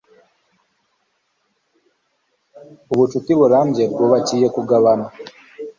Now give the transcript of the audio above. ubucuti burambye bwubakiye ku kugabana